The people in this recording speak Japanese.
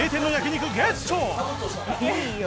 いいよ